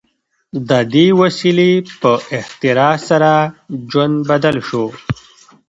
د دې وسیلې په اختراع سره ژوند بدل شو.